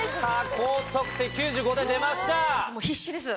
高得点９５点出ました！